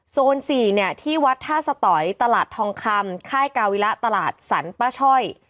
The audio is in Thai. ๔เนี่ยที่วัดท่าสตอยตลาดทองคำค่ายกาวิระตลาดสรรป้าช่อย